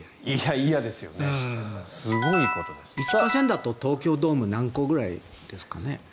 １％だと東京ドーム何個くらいですかね？